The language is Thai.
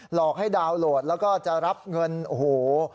หลอกให้ดาวน์โหลดแล้วก็จะรับเงินโอ้โห